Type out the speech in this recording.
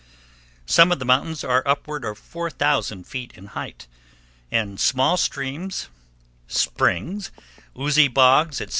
Some of the mountains are upward of 4000 feet in height, and small streams, springs, oozy bogs, etc.